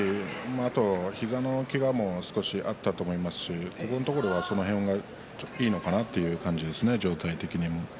あと、膝のけがも少しあったと思いますしこのところはその辺がいいのかなという感じですね、状態的に。